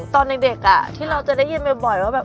ตอนเด็กที่เราจะได้ยินบ่อยว่าแบบ